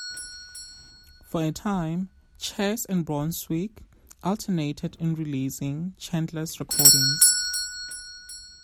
For a time, Chess and Brunswick alternated in releasing Chandler's recordings.